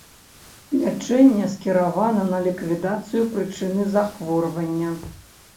Лячэнне скіравана на ліквідацыю прычыны захворвання.